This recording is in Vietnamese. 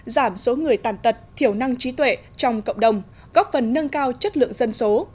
giảm số người tàn tật thiểu năng trí tuệ trong cộng đồng góp phần nâng cao chất lượng dân số